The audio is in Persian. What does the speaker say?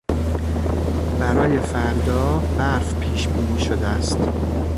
برای فردا برف پیشبینی شده است.